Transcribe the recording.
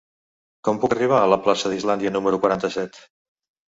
Com puc arribar a la plaça d'Islàndia número quaranta-set?